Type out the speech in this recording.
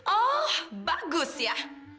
oh bagus ya